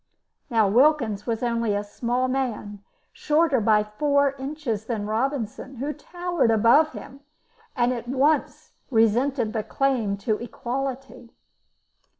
Now Wilkins was only a small man, shorter by four inches than Robinson, who towered above him, and at once resented the claim to equality.